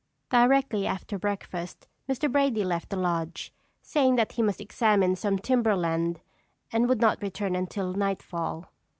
Directly after breakfast, Mr. Brady left the lodge, saying that he must examine some timber land and would not return until nightfall.